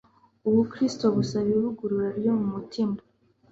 ubukristo busaba ivugurura ryo mu mutima